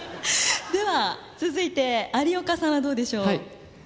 では続いて有岡さんはどうでしょう？